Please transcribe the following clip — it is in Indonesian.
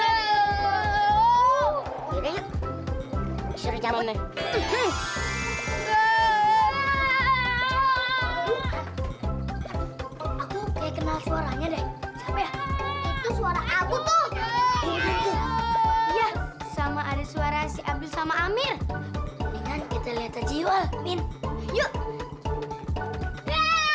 aku kayak kenal suaranya deh itu suara aku tuh sama ada suara si abdul sama amir kita lihat jiwa yuk